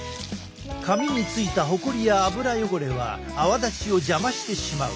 髪についたほこりや脂汚れは泡立ちを邪魔してしまう。